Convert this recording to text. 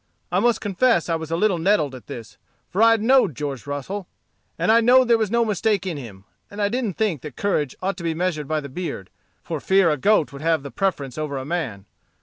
I must confess I was a little nettled at this; for I know'd George Russel, and I know'd there was no mistake in him; and I didn't think that courage ought to be measured by the beard, for fear a goat would have the preference over a man.